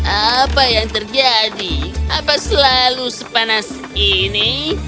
apa yang terjadi apa selalu sepanas ini